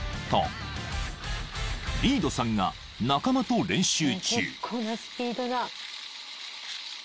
［リードさんが仲間と練習中］